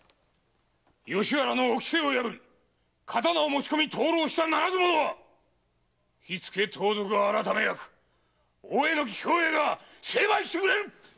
吉原の掟を破り刀を持ち込み登楼したならず者は火付盗賊改役・大榎兵衛が成敗してくれる！